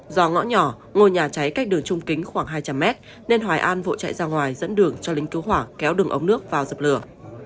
do ngõ nhỏ ngôi nhà cháy cách đường trung kính khoảng hai trăm linh mét nên hoài an vội chạy ra ngoài dẫn đường cho lính cứu hỏa kéo đường ống nước vào dập lửa